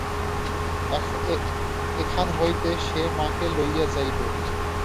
এখান হইতে সে মাকে লইয়া যাইবে!